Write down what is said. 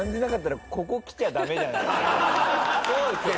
そうですよね。